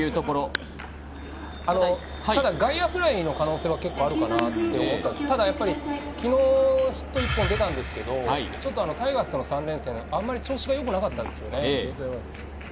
外野フライの可能性はあるかなと思ったんですけど、ただやはり、昨日ヒットが１本出たんですけど、タイガースとの３連戦であまり調子が良くなかったんですよね。